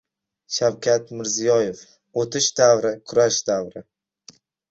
Shavkat Mirziyoyev: O‘tish davri - kurash davri